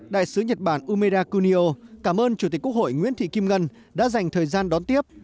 đại sứ nhật bản umeda kunio cảm ơn chủ tịch quốc hội nguyễn thị kim ngân đã dành thời gian đón tiếp